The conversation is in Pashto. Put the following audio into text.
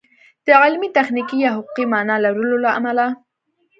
د علمي، تخنیکي یا حقوقي مانا لرلو له امله